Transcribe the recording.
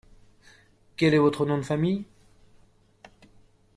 Quel est votre nom de famille ?